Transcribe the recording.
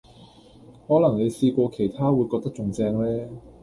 可能你試過其他會覺得仲正呢